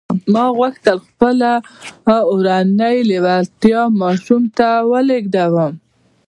ما غوښتل خپله اورنۍ لېوالتیا ماشوم ته ولېږدوم